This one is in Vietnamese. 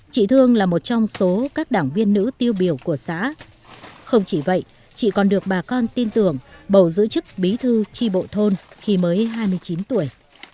chị thương là một trong số các đảng viên nữ tiêu biểu của xã không chỉ vậy chị còn được bà con tin tưởng bầu giữ chức bí thư tri bộ thôn khi mới hai mươi chín tuổi